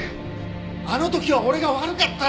あの時は俺が悪かったよ。